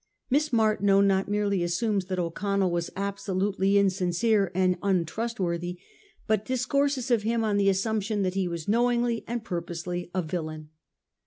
Miss Martineau not merely assumes that O'Connell was absolutely insincere and untrust worthy, but discourses of h im on the assumption that he was knowingly and purposely a villain.